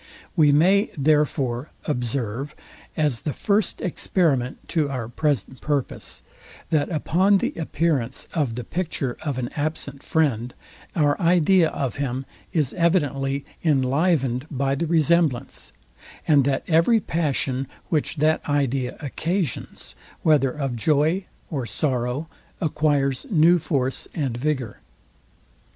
We may, therefore, observe, as the first experiment to our present purpose, that upon the appearance of the picture of an absent friend, our idea of him is evidently inlivened by the resemblance, and that every passion, which that idea occasions, whether of joy or sorrow, acquires new force and vigour.